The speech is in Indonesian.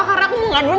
karena aku mau ngaduin